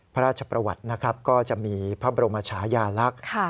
พระราชประวัตินะครับก็จะมีพระบรมชายาลักษณ์